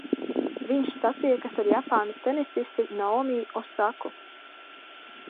Viņš satiekas ar Japānas tenisisti Naomi Osaku.